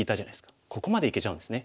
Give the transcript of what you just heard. ここまでいけちゃうんですね。